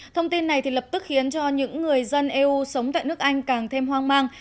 thông tin này lập tức khiến cho những người dân eu sống tại nước anh càng thêm hoang mang